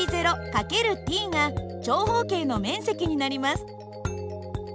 ×ｔが長方形の面積になります。